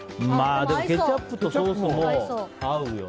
ケチャップとソースも合うよね。